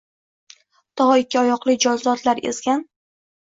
To ikki oyoqli jonzotlar ezgan